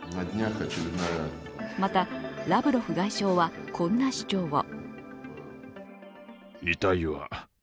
またラブロフ外相は、こんな主張を。